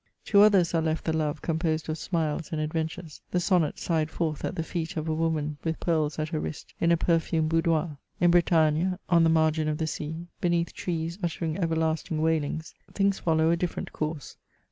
To others are left the love composed of smiles and adventures, the sonnet sighed forth at the feet of a woman with pearls at her wrist, in a perfiimed boudoir. In Bretagne, on the margin of the sea, beneath trees uttering everlasting wailings, things follow a different course.